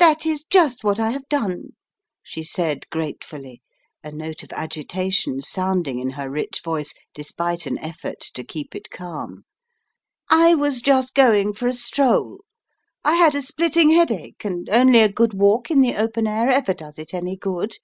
"That is just what I have done," she said, grate fully, a note of agitation sounding in her rich voice, despite an effort to keep it calm. "I was just going for a stroll. I had a splitting headache, and only a good walk in the open air ever does it any good.